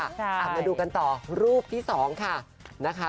อะมันดูกันต่อรูปที่สองค่ะ